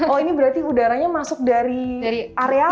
oh ini berarti udaranya masuk dari area apa gitu